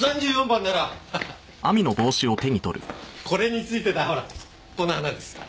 これについてたほらこの花です。